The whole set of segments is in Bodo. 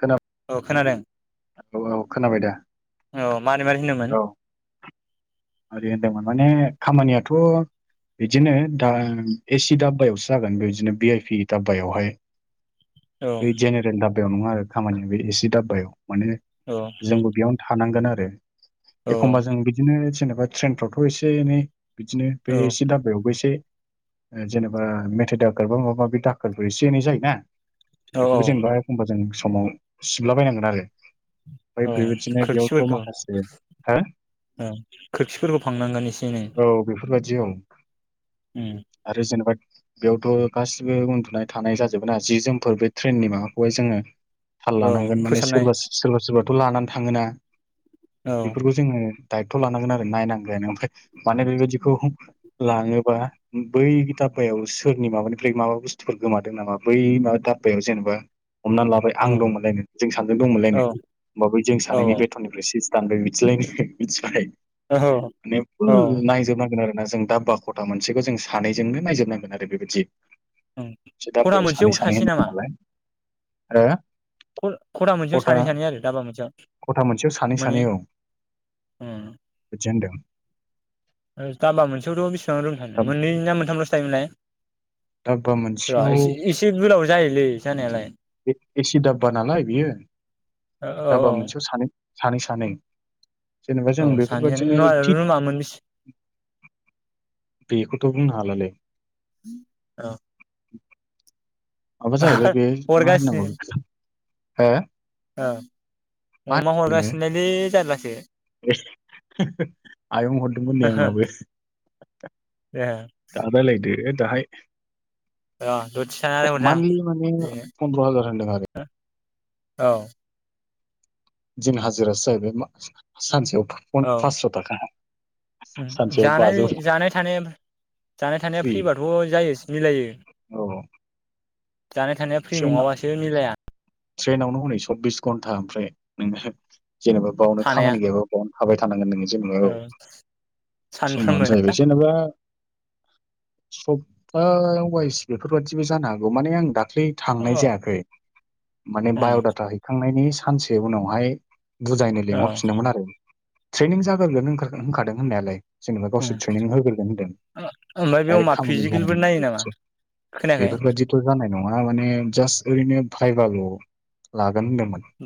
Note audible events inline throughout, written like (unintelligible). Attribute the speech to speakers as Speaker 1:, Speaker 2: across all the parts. Speaker 1: खोना
Speaker 2: औ खोनादों
Speaker 1: औ औ खोनाबाय दा
Speaker 2: औ मारै मारै होनोमोन
Speaker 1: औ आरो होनदोंमोन माने खामानियाथ' बिदिनो दा एसि दाब्बायावसो जागोन बेबायदिनो बि आइ पि दाब्बायावहाय
Speaker 2: औ
Speaker 1: बैदियानो आरो दाब दाबायाव नङा आरो खामानिया बे एसि दाबबायाव माने
Speaker 2: औ
Speaker 1: जोंबो बेयावनो थानांगोन आरो
Speaker 2: औ
Speaker 1: दे एखमबा जों बिदिनो जेन ओ ट्रेनफ्रावथ' एसे एनै बिदिनो बे
Speaker 2: औ
Speaker 1: एसि दाबायावबो एसे ओ जेनेबा मेथाइ दाखोर बा माबा माबि दाखोरफोर एसे एनै जायोना
Speaker 2: औ
Speaker 1: बेखौबो
Speaker 2: औ
Speaker 1: जेनेबा एखमबा जों समाव सि थुमला बायनांगोन आरो ओमफ्राय
Speaker 2: औ
Speaker 1: बेबायदिनो बेयावथ'
Speaker 2: खोरखिफोरखौ
Speaker 1: माखासे हो
Speaker 2: फोरखौ फांनांगोन एसे एनै
Speaker 1: बे बदियाव
Speaker 2: उम
Speaker 1: आरो जेनेबा बेयावथ गासिबो उन्दुनाय थानाय जाजोबोन आरो जि जोमफोर बे ट्रेननि माबाखौहाय जोङो थाल
Speaker 2: औ
Speaker 1: लानांगोन माने
Speaker 2: फोसाबनाय
Speaker 1: सोरबा सोरबा सोरबाथ लानानै थाङोना
Speaker 2: औ
Speaker 1: बेफोरखौ जोङो दायथ लानांगोना नायनांगोन ओमफ्राय माने बेबायदिखौ लाङोबा बै दाब्बायाव सोरनि माबानिफ्राय माबा बुस्थुफोर गोमादों नामा बै माबा दाब्बायाव जेनेबा हमनानै लाबाय
Speaker 2: औ
Speaker 1: आं दंमोनलायनो जों सानैदोंजों
Speaker 2: औ
Speaker 1: दंमोनलायनो होमबा बै जों सानैनि
Speaker 2: औ
Speaker 1: बेथननिफ्राय सि दानबाय बिदिलाइनो मिथिबाय
Speaker 2: औ
Speaker 1: ने
Speaker 2: औ
Speaker 1: फुल नाजोबनांगोन‌ आरो दा जों दाब बा खथा मोनसेखौ जों सानैजोंनो नायजोबनांगोन आरो बेबायद
Speaker 2: उम खना मोनसेयाव सासे नामा
Speaker 1: ओ
Speaker 2: खथ खथा मोनसेयाव सानै सानै आरो दाबा मोनसेयाव
Speaker 1: खथा मोनसेयाव सानै
Speaker 2: मोने
Speaker 1: सानै
Speaker 2: ओ
Speaker 1: न्दों
Speaker 2: ओ दामबा मोनसेयावथ बिस रुम थानो मोननै ना मोनथामस योमोनलाय
Speaker 1: दाब्बा
Speaker 2: र
Speaker 1: मोनसेयाव
Speaker 2: एस एसे गोलाव जायोलै फैसा होनायालाय
Speaker 1: ए एसि दाबबा नालाय बियो
Speaker 2: औ औ
Speaker 1: दाबबा
Speaker 2: औ
Speaker 1: मोनसेयाव सानै सानै-सानै जेनेबा
Speaker 2: औ
Speaker 1: जों
Speaker 2: सानै सानै
Speaker 1: बेफोरबादिनो
Speaker 2: रुमा मोनबेसे
Speaker 1: थिख बेखौथ बुनो हा हालालै
Speaker 2: औ
Speaker 1: आबा जाहैबाय बे मा होननांगौ
Speaker 2: हरगासिनो
Speaker 1: बेखौ हो
Speaker 2: ओ अमा अरगासिनोलै जारलास बे
Speaker 1: ए आयं हरदोंमोन नै आंनाबो
Speaker 2: ए
Speaker 1: दा रालायदो दाहाय
Speaker 2: र' दसे थानानै हरसां
Speaker 1: मानि माने
Speaker 2: बेनो
Speaker 1: पन्द्र हाजार होनदों आरो
Speaker 2: औ
Speaker 1: दिन हाजिरासो जाहैबायमा सानसेआव फन फासस' थाखा
Speaker 2: अम
Speaker 1: सानसेयाव बाजौ
Speaker 2: जानाय-जानाय थानाया जानाय थानाया
Speaker 1: फ्रि
Speaker 2: फ्रिबाथ' जायो मिलायो
Speaker 1: औ
Speaker 2: जानाय थानाया फ्रि
Speaker 1: ट्रेन
Speaker 2: नङाबासो मिलाया
Speaker 1: ट्रेनावनो हनै सबिस घन्टा ओमफ्राय नोङो जेनेबा बावनो
Speaker 2: थानाया
Speaker 1: खामानि गैयाबो बावनो थाबाय थानांगोन नोङो जेनेबा औ
Speaker 2: सानफ्रोमबो
Speaker 1: ट्रेनावनो
Speaker 2: ना
Speaker 1: जाहैबाय जेनेबा सब ओ वाइस बेफोरबायाददिबो जानो हागौ माने आं दाख्लै थांनाय
Speaker 2: औ
Speaker 1: जायाखै माने
Speaker 2: उम
Speaker 1: बाय'डाटा हैखांनायनि सानसे उनावहाय बुजायनो
Speaker 2: औ
Speaker 1: लेंंहरफिनदोंमोन आरो ट्रेनिं जाग्रोगोन होनखा होनखादों होननायालाय जेनेबा
Speaker 2: उम
Speaker 1: गावसोर ट्रेनिं होग्रोगोन होनदों
Speaker 2: ओमफ्राय बेयाव
Speaker 1: डाइरेक्ट
Speaker 2: मा
Speaker 1: खामानि जानाय
Speaker 2: फिजिकेलफोर नायो नामा
Speaker 1: नोगा
Speaker 2: खोनायाखै
Speaker 1: बेफोरबायदिथ' जानाय नङा माने जास्त ओरैनो भायभाल' ला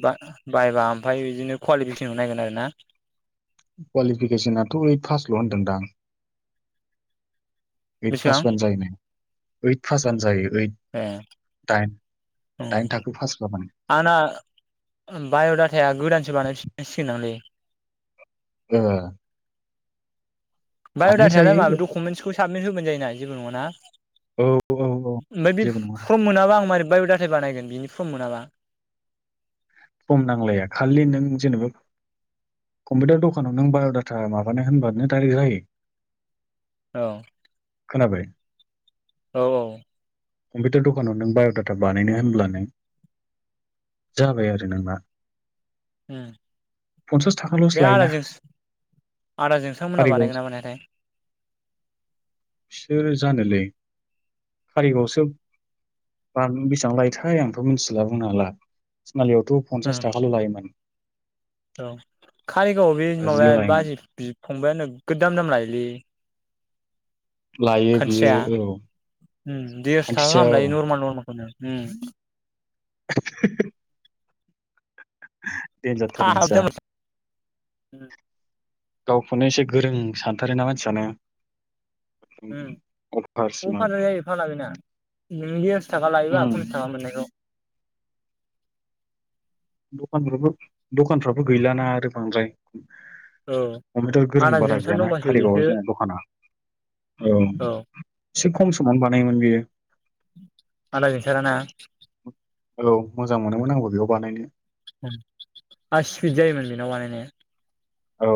Speaker 2: दा भायभा ओमफ्राय बिदिनो कवालिफिक नायगोन आरोना
Speaker 1: कवालिफिकेसनाथ' ओइद फासल' होनदोंदां ओइद
Speaker 2: बेसेबां
Speaker 1: पास बानोजायोनो ओइद पास होनजायो ओइद
Speaker 2: ए
Speaker 1: टाइम।
Speaker 2: आंना बाय' डाटाया गोदानसो बानाय फिनांसिगोन दांलै।
Speaker 1: ओ
Speaker 2: बाय'
Speaker 1: बानाय
Speaker 2: डाटा यालाय मा
Speaker 1: जायो
Speaker 2: डकुमेन्टसखौ साबमिट होबानो जायोना जेबो नङाना?
Speaker 1: औ औ औ
Speaker 2: ओमफ्राय बे
Speaker 1: जेबो नङा
Speaker 2: फर्म मोनाबा आं मारै बाय' दाथा बानायगोन बिनि फर्म मोनाबा?
Speaker 1: फर्म नांलाया खालि नों जेनेबा कम्पिउटार दखानाव नों बाय'डाटा माबानो होनबानो डाइरेक्ट जायो।
Speaker 2: औ।
Speaker 1: खोनाबाय?
Speaker 2: औ औ।
Speaker 1: कम्पिउटार दखानाव नों बाय'डाटा बानायनो होनब्लानो जाबाय आरो। जेनेबा
Speaker 2: ओ बे आदा
Speaker 1: लायोना
Speaker 2: जोंस आदा जोंसांर मोना
Speaker 1: कारिगाव
Speaker 2: बानायगोना बानायथाय?
Speaker 1: बिसोर जानोलै कारिगाव आवसो बान बेसेबां लायोथाय आंथ' मिथिला बुंनो हाला तिनालियाव थ' पन्सास थाखाल' लायोमोन।
Speaker 2: औ कारिगाव आव बे
Speaker 1: बाजिल'
Speaker 2: माबाया
Speaker 1: लायोमोन
Speaker 2: बाजै बि फंबाया नो गोद दाम दाम लायोलै।
Speaker 1: लायो बियो
Speaker 2: खाथिया
Speaker 1: औ
Speaker 2: देरस' थाखा गाहाम लायो
Speaker 1: खान्थिसेयाव
Speaker 2: नरमेल माल उम।
Speaker 1: (inaudible) देन जारथार मानसिया।
Speaker 2: उम
Speaker 1: गावखौनो एसे गोरों सानथारो ना मानसियानो। अभार
Speaker 2: ओ अफार
Speaker 1: स्मार्ट
Speaker 2: द्राय जायो फाग्ला बेना। (unintelligible) आस थाखा लायोबा (unintelligible)
Speaker 1: उम
Speaker 2: थाखा मोननायखौ।
Speaker 1: दखान फ्राबो दखान फ्राबो गैलाना आरो बांद्राय।
Speaker 2: औ
Speaker 1: कम्पिउटार गोरों
Speaker 2: आदा
Speaker 1: बारा
Speaker 2: जोंसार
Speaker 1: गैयाना
Speaker 2: दंबासो
Speaker 1: कारिगाव
Speaker 2: बेसो
Speaker 1: आव जोंना दखाना औ। एसे खम समावनो बानायो मोन बेयो।
Speaker 2: आदा जोंसारा ना?
Speaker 1: औ मोजां मोनोमोन आंबो बेयाव बानायनो।
Speaker 2: आ स्पिड जायोमोन बेनाव बानायनाया।
Speaker 1: औ।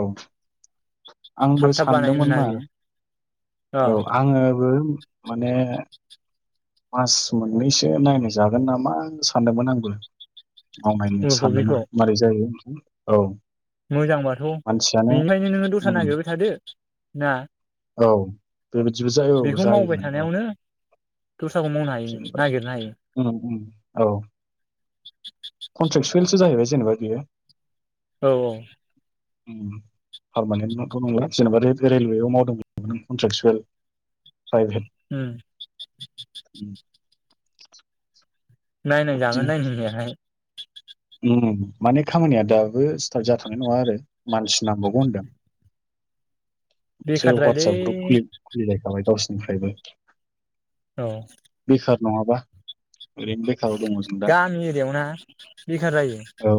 Speaker 1: आंबो
Speaker 2: थाब थाब
Speaker 1: सान
Speaker 2: बानायोमोन
Speaker 1: दोंमोन
Speaker 2: ना
Speaker 1: मा
Speaker 2: बियो अ
Speaker 1: औ आङो बो माने मास मोननैसो नायनाय जागोन नामा सानदोंमोन आंबो। मावनायनो
Speaker 2: उलखौ
Speaker 1: सानदोंमोन
Speaker 2: बेखौ
Speaker 1: आं मारै जायो। औ।
Speaker 2: मोजांबाथ'
Speaker 1: मानसियानो
Speaker 2: बेनिफ्राय नोङो दस्रा
Speaker 1: उम
Speaker 2: नागिरबाय थादो। ना?
Speaker 1: औ बेबायदिबो जायो औ
Speaker 2: बेखौ मावबाय
Speaker 1: जायोमोन औ।
Speaker 2: थानायावनो दस्राखौ मावनो हायो
Speaker 1: जेनेबा
Speaker 2: नागिरनो हायो।
Speaker 1: उम औ कन्ट्रेक्सुयेलसो जाहैबाय जेनेबा बियो
Speaker 2: औ औ।
Speaker 1: पारमानेन्टथ' नंला जेनेबा रेलवेआव मावदोंमोन कन्ट्रेकसुयेल। प्राइभेट।
Speaker 2: उम
Speaker 1: (inaudible)
Speaker 2: नायनाय जागोन
Speaker 1: बिदिनो
Speaker 2: नायनायाहाय।
Speaker 1: उम माने खामानिया दाबो स्टार्ट जाथनाय नङा आरो मानसि नांबावगौ होनदों। मोनसे
Speaker 2: बेखारद्रायलै
Speaker 1: वाट्सएप ग्रुप खुलि (unintelligible) (unintelligible)
Speaker 2: औ।
Speaker 1: बेखार नङाबा। ओरैनो बेखाराव दङ जों दा
Speaker 2: गामि एरिआयावना बेखार जायो
Speaker 1: औ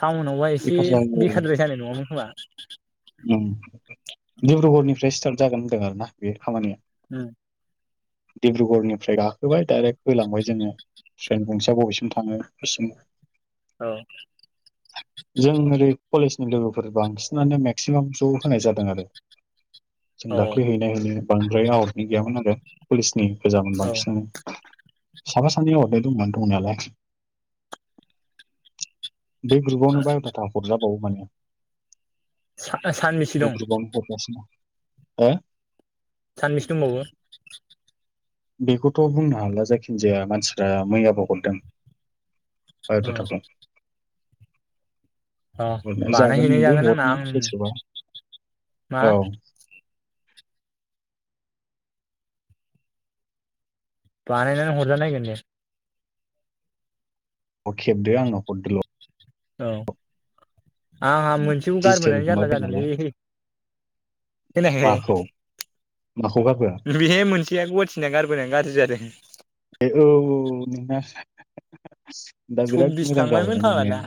Speaker 2: टाउनावबा एसे
Speaker 1: बेखार जायो
Speaker 2: बेखारद्राय जानाय नङामोन खोमा।
Speaker 1: उम डिब्रुगरनिफ्राय स्टार्ट जागोन होन्दों आरो ना बे खामानिया।
Speaker 2: उम।
Speaker 1: डिब्रुगरनिफ्राय गाखोबाय डाइरेक्ट होलांबाय जोङो ट्रेन गंसेया बबेसिम थाङो। बेसिम।
Speaker 2: औ
Speaker 1: जों ओरै कलेजनि लोगोफोर बांसिनानो मेक्सिमाम ज' होनाय जादों आरो जों
Speaker 2: औ
Speaker 1: दाख्लै हैनाय यानो। बांद्राय आवटनि गैयामोन आरो कलेजनि गोजामोन
Speaker 2: औ
Speaker 1: बांसिनानो साफा सानै (unintelligible) दंमोन दंनायालाय। बे ग्रुपावनो बाय'दाटा (unintelligible) (unintelligible)
Speaker 2: (unintelligible) सानबैसे दं।
Speaker 1: हरगासिनो हो
Speaker 2: सानबैसे दंबावो।
Speaker 1: बेखौथ' बुंनो हाला जायखिजाया मानसिफ्रा मैयाबो हरदों।
Speaker 2: अ
Speaker 1: बाय'दाटाखौ।
Speaker 2: अ
Speaker 1: हरनायजागोन
Speaker 2: बानायहैनाय
Speaker 1: नोंबो
Speaker 2: जागोन आंना
Speaker 1: हरनो
Speaker 2: आं
Speaker 1: गोसोबा
Speaker 2: मा
Speaker 1: औ।
Speaker 2: बानायनानै हरजा नायगोन दे
Speaker 1: अ'खे दे आंनो हरदोल'
Speaker 2: औ आंहा मोनसेखौ
Speaker 1: डिजिटेल
Speaker 2: गारबोनानै जारला
Speaker 1: माबाबाय
Speaker 2: जादोंलै
Speaker 1: नालाय
Speaker 2: खोनायाखै
Speaker 1: माखौ माखौ गारबोआ
Speaker 2: बेहाय मोनसे गुवाहाटिना गारबोनानै गाज्रि जादों
Speaker 1: ए औ औ नोंना दा बिराद
Speaker 2: सब्बिस
Speaker 1: मोजां
Speaker 2: थांबायमोन
Speaker 1: जाबायना
Speaker 2: फाग्ला
Speaker 1: नोङो
Speaker 2: दा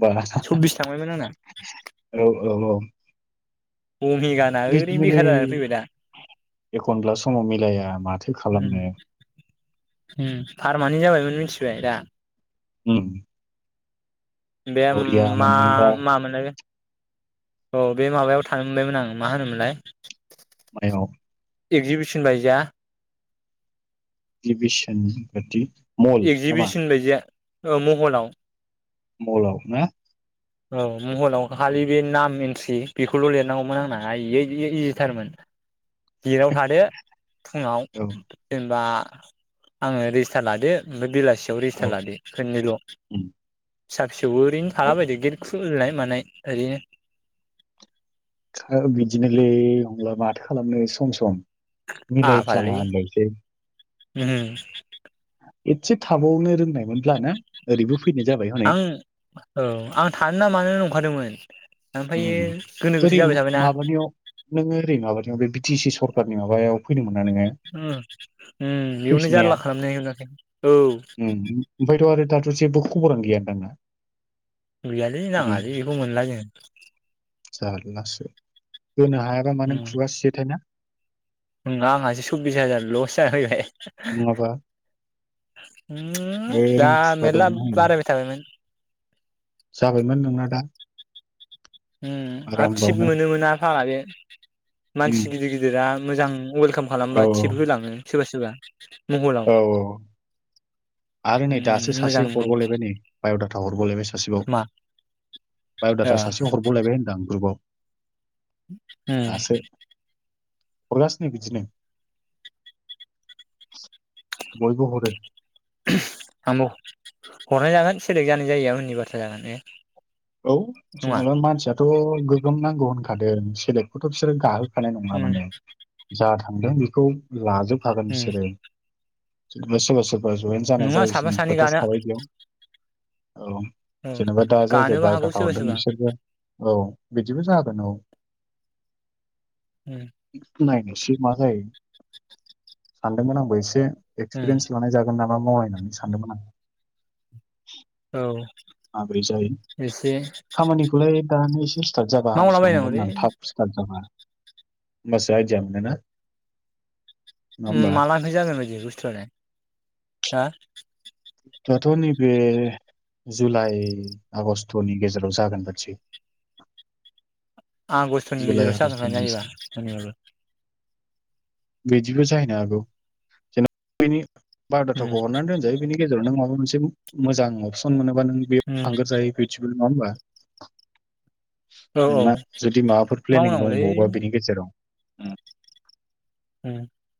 Speaker 1: बा
Speaker 2: सब्बिस थांबायमोन आंना
Speaker 1: औ औ औ
Speaker 2: अमेगाना
Speaker 1: (inaudible)
Speaker 2: ओरैनो
Speaker 1: बिदिनोलै
Speaker 2: बेखार जानानै फैबाय दा
Speaker 1: एखनब्ला समाव मिलाया माथो खालामनो
Speaker 2: फारमानेन्त जाबायमोन मिथिबाय दा
Speaker 1: ओम
Speaker 2: बे मा
Speaker 1: मोनदोंबा
Speaker 2: मा मोनलाय औ बे माबायाव थानो मोनबायमोन आं मा होनोमोनलाय
Speaker 1: मायाव
Speaker 2: एगजिबिसन बायदिया
Speaker 1: एगजिबिसन बादि मल नामा
Speaker 2: एगजिबिसन बायदिया औ महलाव
Speaker 1: मलाव ना
Speaker 2: औ महलाव खालि बे नाम एन्ट्रि बेखौल' लिरनांगौमोन आंनाहाय इयो इयो इजिथारमोन गेटाव थादो फुङाव
Speaker 1: औ
Speaker 2: जेनेबा आङो रेजिस्टार लादो ओमफ्राय बेला एसेयाव रिस्टार
Speaker 1: औ
Speaker 2: लादो खोनैल'
Speaker 1: उम
Speaker 2: थेवबो ओरैनो थाला बायदो गेद खु खुलिनाय मानाय ओरैनो
Speaker 1: बिदिनोलै हब्ला माथो खालामनो सम सम मिलायफ्लाङा होनलायनोसै
Speaker 2: ओम
Speaker 1: एसे थाबावनो रोंनायमोनब्ला नो
Speaker 2: आं औ आं थानो ना मानो नं खादोंमोन
Speaker 1: ओम ओरै माबानियाव नोङो ओरै माबानियाव बे टि सि सरखारनि माबायाव फैदोंमोन
Speaker 2: ओ उम बेयावनो
Speaker 1: फैफिननाया
Speaker 2: जारला खालामनाय जादों औ
Speaker 1: उम ओमफ्रायथ' आरो दाथ' जेबो खबरानो गैयादां ना
Speaker 2: गैयालै नाङालै बेखौ मोनला जों
Speaker 1: जारलासो होनो हायाबा
Speaker 2: उम
Speaker 1: मानो नों खुगासियोथाय ना?
Speaker 2: उम आंहासो सब्बिस हाजार लस जाफैबाय।
Speaker 1: नङाबा
Speaker 2: उम दा
Speaker 1: ओरैनो खुगा
Speaker 2: मेरला
Speaker 1: दौना होयो
Speaker 2: बारायबाय थाबायमोन।
Speaker 1: जाबायमोन नोंना दा
Speaker 2: उम आरो थिप
Speaker 1: आरामबावनो
Speaker 2: मोनोममोन ना फारा बे (inaudible) मानसि
Speaker 1: उम
Speaker 2: गिदिर गिदिरा मोजां वेलकाम
Speaker 1: औ
Speaker 2: खालामबा थिप होलाङो। सोरबा सोरबा। महलाव
Speaker 1: औ औ आरो नै दासो
Speaker 2: उम
Speaker 1: सासे
Speaker 2: मोजांल'
Speaker 1: हरबावलायबाय नै बाय'डाटा हरबावलायबाय सासेबाव।
Speaker 2: खोमा ओ
Speaker 1: बाय'डाटा सासे हरबावलायबाय होनदां आ ग्रुपआव।
Speaker 2: उम।
Speaker 1: हरगासिनो बिदिनो (inaudible) बयबो हरो।
Speaker 2: आंबो हरनाय जागोन सेलेक्ट जानाय जायिया उननि बाथ्रा जागोन ने?
Speaker 1: औ जेनेबा मानसियाथ' गोगोम नांगौ होनखादादों सेलेकखौथ' बिसोरो गा होनाय नङा
Speaker 2: उम
Speaker 1: माने जाथ थांदों बेखौ लाजोब खागोन
Speaker 2: उम
Speaker 1: बिसोरो। सोरबा सोरबा जयेन जानाय
Speaker 2: नङा साफा
Speaker 1: जायिनि
Speaker 2: सानै
Speaker 1: खोथासो
Speaker 2: गानो
Speaker 1: थाबाय बेयाव औ
Speaker 2: औ
Speaker 1: जेनेबा दा जाय सोर
Speaker 2: गानोबो हागौ
Speaker 1: बाय'दाटा
Speaker 2: सोरबा
Speaker 1: हरदों
Speaker 2: सोरबा
Speaker 1: बिसोरबो औ बिदिबो जागोन औ।
Speaker 2: उम
Speaker 1: नायनोसै मा जायो सानदोंमोन आंबो एसे
Speaker 2: उम
Speaker 1: एक्सप्रेनस लानाय जागोन ना मा मावनाय होननानै सानदोंमोन आं।
Speaker 2: औ।
Speaker 1: माब्रै जायो
Speaker 2: एसे
Speaker 1: खामानिखौलाय दानि एसे स्टार्ट जाबा हामसिगौ
Speaker 2: मावलाबायनांगौलै
Speaker 1: नंदोंमोन आं थाब स्टार्ट जाबा। होमबासो आइदिया मोनो ना
Speaker 2: ओम मालानिफराय जागोन बादि बुस्थु आलाय हा?
Speaker 1: दाथ' नैबे जुलाइ आगष्टनि गेजेराव जागोन बादिसो।
Speaker 2: आगष्ट'नि गेजेरावसो जागोना जायोबा आंनि बाबो
Speaker 1: बिदिबो जाहैनो हागौ जेन'ब बेनि
Speaker 2: उम
Speaker 1: बाय'दााथाखौ हरनानै दोनजायो बेनि गेजे नों माबा मोनसे मोजां अपसन मोनो नंङा बा नों
Speaker 2: उम
Speaker 1: थुंग्रोजायो बिथिंबो नंङा ओनबा?
Speaker 2: औ औ।
Speaker 1: माबाफोर प्लेनिं
Speaker 2: मावनांगौलै
Speaker 1: दंबावबा बिनि गेजेराव उम।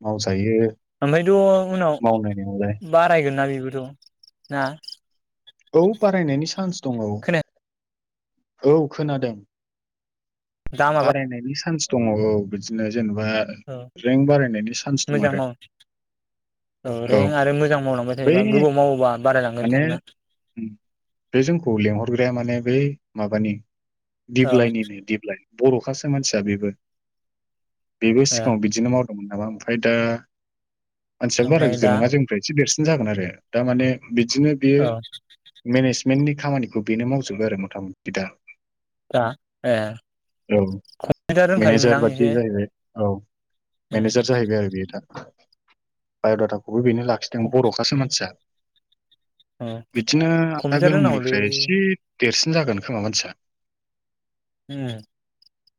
Speaker 1: मावजायो
Speaker 2: ओमफ्रायथ' उनाव
Speaker 1: मावनायनियालाय
Speaker 2: बारायगोन ना बेबोथ' ना?
Speaker 1: औ बारायनायनि चान्स दं औ
Speaker 2: खोनाया
Speaker 1: औ खोनादों
Speaker 2: दामा बा
Speaker 1: बारायनायनि सान्स दङ औ बिदिनो जेनेबा
Speaker 2: औ
Speaker 1: रेंक बारायनायनि चान्स दं
Speaker 2: मोजां
Speaker 1: आरो
Speaker 2: माव औ रें आरो मोजां मावलांबाय
Speaker 1: बै
Speaker 2: थायोबा गोबाव मावोबा बाराय लांगोनों
Speaker 1: माने
Speaker 2: थांना
Speaker 1: बे जोंखौ लेंहरग्राया माने बै माबानि
Speaker 2: औ
Speaker 1: दिबल्लायनिनो दिबल्लाय बर'खास मानसिया बेबो बेबो
Speaker 2: ए
Speaker 1: सिगाङाव बिदिनो माव (unintelligible) ओमफ्राय दा मानसिया बारा
Speaker 2: ओमफ्राय दा
Speaker 1: गिदिरङा जोंनिफ्राय एसे देरसिन दिनो जागोन आरो दामाने बिदिनो बियो
Speaker 2: औ
Speaker 1: मेनेस मेन्नि खामानिखौ बेनो मावजोबो आरो मथा मथि दा
Speaker 2: दा ए
Speaker 1: औ
Speaker 2: कम्पिउटार
Speaker 1: मेनेजार
Speaker 2: रोंखायोमोन दां
Speaker 1: बादि
Speaker 2: एसे
Speaker 1: जाहैबाय औ
Speaker 2: उम
Speaker 1: मेनेजार जाहैबाय आरो बेयो दा बाय' दाथा बेखौबो बेनो लाखिदों बर'खासो मानसिया
Speaker 2: औ
Speaker 1: बिदिनो आदा
Speaker 2: कम्पिउटार रोंनांगौलै
Speaker 1: गोमोनिफ्राय एसे देरसिन जागोन खोमा मानसिया ।
Speaker 2: उम ।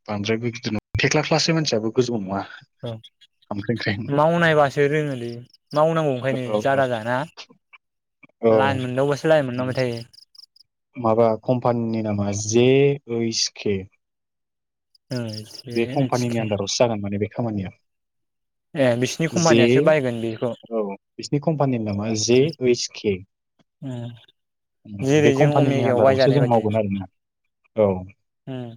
Speaker 1: बांद्रायबो गिदिर नङा थेख्ला क्लासनि मानसियाब गोजौ नङा ।
Speaker 2: औ मावनायबासो रोङोलै मावनांगौ ओंखायनो
Speaker 1: औ औ
Speaker 2: जादा जाना
Speaker 1: औ
Speaker 2: ना लान मोन दावबासो लाय मोनलांबाय थायो ।
Speaker 1: माबा कम्पानिनि नामा जे ओइस केे ।
Speaker 2: ओं
Speaker 1: बे कम्पानिनि
Speaker 2: एखे
Speaker 1: आन्दारावसो जागोन माने बे । खामानिआ ।
Speaker 2: ए बिसिनि कम्पानियासो बायगोन बेखौ ।
Speaker 1: बे कम कम्पानिनि नामा जे ओइस के
Speaker 2: उम
Speaker 1: बे
Speaker 2: जेरै जों
Speaker 1: कम्पानिनि
Speaker 2: अमेगायाव
Speaker 1: आन्दारावसो
Speaker 2: बायजानाय
Speaker 1: जों
Speaker 2: बायदि
Speaker 1: मावगोन आरोना औ
Speaker 2: उम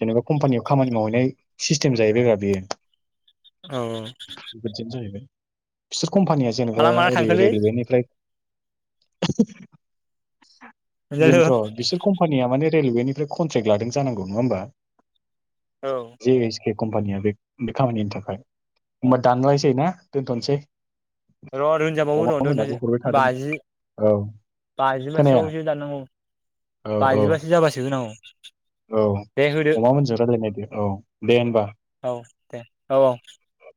Speaker 1: जेनेबा कमपानियाव । खामानि मावहैनाय सिस्टेम जाहैबाय ब्रा बेयो
Speaker 2: औ
Speaker 1: । बिदिनो जाहैबाय । (inaudible) कम्पानिया जेनेबा
Speaker 2: माला माला
Speaker 1: ओरै
Speaker 2: थांखोलै
Speaker 1: रेडिमेदनिफ्राय (inaudible)
Speaker 2: अनजालु
Speaker 1: बेनोथ' बिसोर कम्पानिया माने रेलवेनिफ्राय कनट्रेक्ट लादों जानांगौ नङा होमबा?
Speaker 2: औ ।
Speaker 1: बे कम्पानिया बे बे खामानिनि थाखाय मा दानलायनिसै ना दोनथ'नोसै ।
Speaker 2: र' दोनजाबावो र' दोनजायो
Speaker 1: थादों
Speaker 2: बाजि
Speaker 1: औ खोनाया
Speaker 2: बाजिबासोआवसो दानांगौ
Speaker 1: औ औ
Speaker 2: बाजिबासो जाबासो । जोंनाव ।
Speaker 1: औ अमा मोनजों रायलायनायदो औ दे होनबा
Speaker 2: औ दे औ औ।
Speaker 1: ।